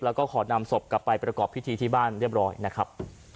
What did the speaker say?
แล้วก็ขอนำศพกลับไปประกอบพิธีที่บ้านเรียบร้อยนะครับ